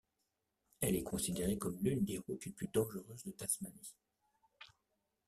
Elle est considérée comme l'une des routes les plus dangereuses de Tasmanie.